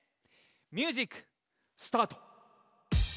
ミュージックスタート！